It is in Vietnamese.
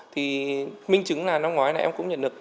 thì minh chứng là năm ngoái là em cũng nhận được